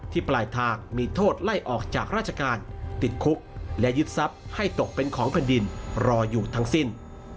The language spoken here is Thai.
ปลายทางมีโทษไล่ออกจากราชการติดคุกและยึดทรัพย์ให้ตกเป็นของแผ่นดินรออยู่ทั้งสิ้น